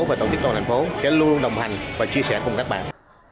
và tổ chức đồng hành phố sẽ luôn đồng hành và chia sẻ cùng các bạn